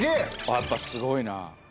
やっぱすごいな。